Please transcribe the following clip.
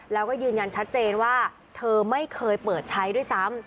แล้วก็ยืนยันชัดเจนว่าเธอไม่เคยเปิดใช้ด้วยซ้ำ